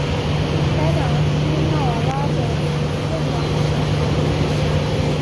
该党是纳瓦拉的政党联盟左翼的成员。